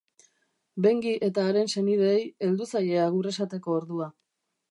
Bengi eta haren senideei heldu zaie agur esateko ordua.